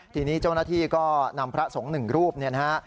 ทีนี้เจ้าหน้าที่ก็นำพระสงฆ์หนึ่งรูปเนี่ยนะฮะ